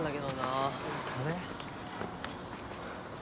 あれ？